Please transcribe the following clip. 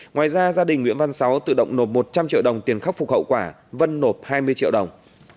ngoài ra gia đình nguyễn văn sáu tự động nộp một trăm linh triệu đồng tiền khắc phục hậu quả vân nộp hai mươi triệu đồng